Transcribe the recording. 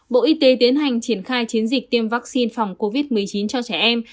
bộ y tế tiến hành triển khai chiến dịch tiêm vaccine phòng covid một mươi chín cho trẻ em